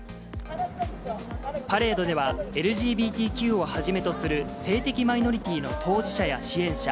パレードでは、ＬＧＢＴＱをはじめとする、性的マイノリティの当事者や支援者